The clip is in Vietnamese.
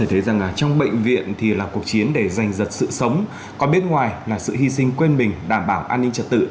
hãy đăng ký kênh để nhận thông tin nhất